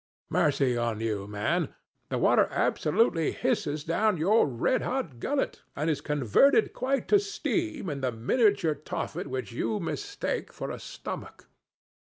Mercy on you, man! the water absolutely hisses down your red hot gullet and is converted quite to steam in the miniature Tophet which you mistake for a stomach.